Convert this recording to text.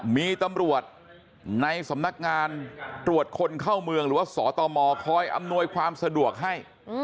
มีตำรวจในสำนักงานตรวจคนเข้าเมืองหรือว่าสตมคอยอำนวยความสะดวกให้